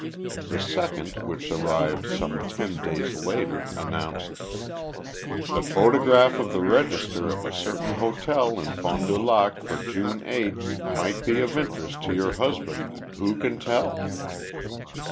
The second, which arrived some ten days later, announced: The photograph of the register of a certain hotel in Fond du Lac for June 8 might be of interest to your husband who can tell?